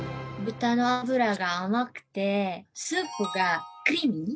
豚の脂が甘くてスープがクリーミー。